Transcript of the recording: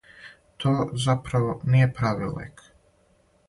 То, заправо, није прави лек.